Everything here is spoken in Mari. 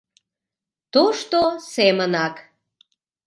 — Тошто семынак.